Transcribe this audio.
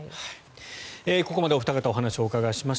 ここまでお二方にお話を伺いました。